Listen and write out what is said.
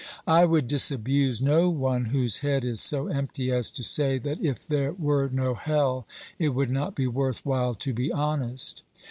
I would disabuse no one whose head is so empty as to say that if there were no hell it would not be worth while 348 OBERMANN to be honest.